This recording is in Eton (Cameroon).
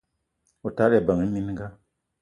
O tala ebeng minga